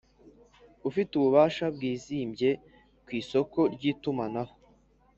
Ufite ububasha bwizimbye ku isoko ry’ itumanaho